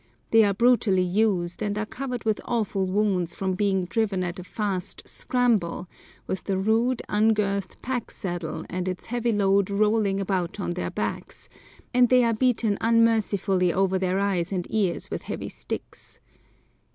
They are brutally used, and are covered with awful wounds from being driven at a fast "scramble" with the rude, ungirthed pack saddle and its heavy load rolling about on their backs, and they are beaten unmercifully over their eyes and ears with heavy sticks.